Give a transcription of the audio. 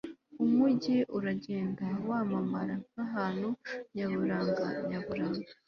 umujyi uragenda wamamara nkahantu nyaburanga nyaburanga